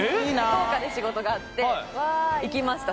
福岡で仕事があって行きました